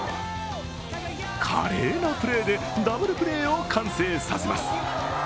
華麗なプレーでダブルプレーを完成させます。